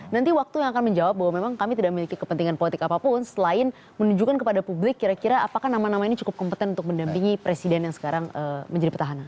nanti waktu yang akan menjawab bahwa memang kami tidak memiliki kepentingan politik apapun selain menunjukkan kepada publik kira kira apakah nama nama ini cukup kompeten untuk mendampingi presiden yang sekarang menjadi petahana